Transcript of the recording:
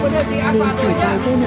nên chở vài xe nữa thôi